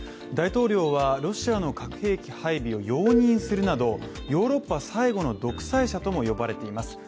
大統領はロシアの核兵器配備を容認するなど、ヨーロッパ最後の独裁者とも呼ばれています。